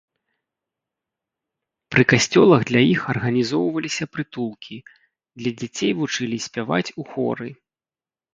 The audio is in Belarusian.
Пры касцёлах для іх арганізоўваліся прытулкі, дзе дзяцей вучылі спяваць ў хоры.